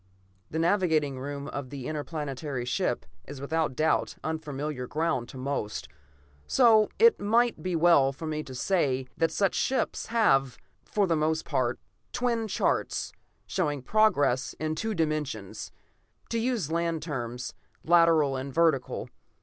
The navigating room of an interplanetary ship is without doubt unfamiliar ground to most, so it might be well for me to say that such ships have, for the most part, twin charts, showing progress in two dimensions; to use land terms, lateral and vertical.